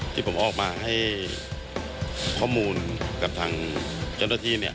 ที่ผมออกมาให้ข้อมูลกับทางเจ้าหน้าที่